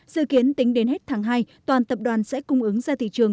dự kiến tính đến hết tháng hai toàn tập đoàn sẽ cung ứng ra thị trường